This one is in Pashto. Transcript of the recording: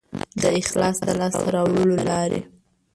د اخلاص د لاسته راوړلو لارې